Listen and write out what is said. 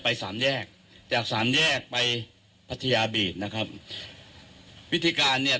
ไปสามแยกจากสามแยกไปนะครับวิธีการเนี่ย